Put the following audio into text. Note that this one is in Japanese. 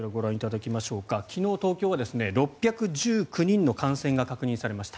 昨日、東京は６１９人の感染が確認されました。